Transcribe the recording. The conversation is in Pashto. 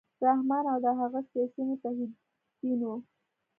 رحمان او د هغه سیاسي متحدینو